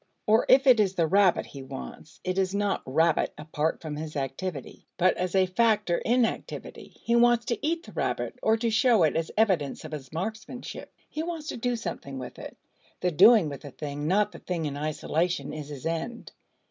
Or, if it is the rabbit he wants, it is not rabbit apart from his activity, but as a factor in activity; he wants to eat the rabbit, or to show it as evidence of his marksmanship he wants to do something with it. The doing with the thing, not the thing in isolation, is his end.